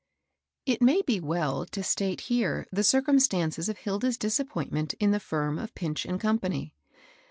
It may be well to state here the circumstances of Hilda's disappointment in the firm of Pinch and Company.